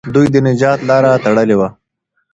دوی د نجات لاره تړلې وه.